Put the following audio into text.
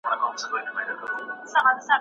له دې چي له اقتصادي لحاظه نږدې پر ځان بسیا